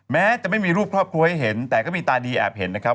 แม้จะไม่มีรูปครอบครัวให้เห็นแต่ก็มีตาดีแอบเห็นนะครับ